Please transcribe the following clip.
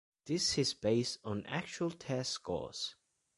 This is based on actual test scores.